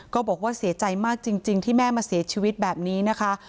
ก็บอกว่าเสียใจมากจริงที่แม่มาเสียชีวิตแบบนี้นะคะ